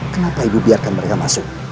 kenapa ibu biarkan mereka masuk